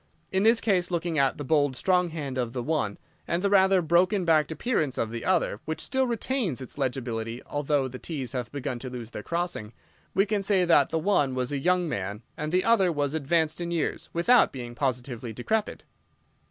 In this case, looking at the bold, strong hand of the one, and the rather broken backed appearance of the other, which still retains its legibility although the t's have begun to lose their crossing, we can say that the one was a young man and the other was advanced in years without being positively decrepit."